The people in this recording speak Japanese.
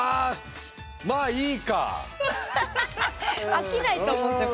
飽きないと思うんすよ